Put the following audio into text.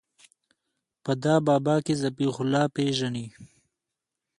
په ده بابا کښې ذبيح الله پېژنې.